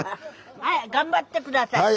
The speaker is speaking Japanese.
はい頑張って下さい。